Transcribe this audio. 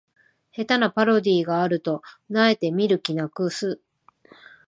下手なパロディがあると萎えて見る気なくす